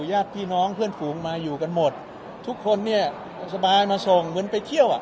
ญาติพี่น้องเพื่อนฝูงมาอยู่กันหมดทุกคนเนี่ยสบายมาส่งเหมือนไปเที่ยวอ่ะ